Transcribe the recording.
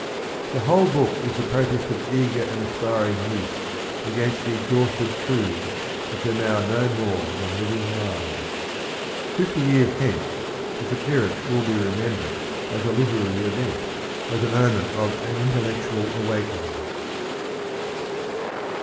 ... The whole book is the protest of eager and aspiring youth against the exhausted truths which are now no more than living lies. ... Fifty years hence, its appearance will be remembered as a literary event, as an omen of an intellectual awakening.